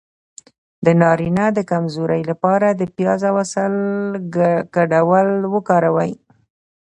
د نارینه د کمزوری لپاره د پیاز او عسل ګډول وکاروئ